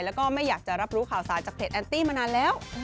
แล้วก็ไม่อยากจะรับรู้ข่าวสารจากเพจแอนตี้มานานแล้ว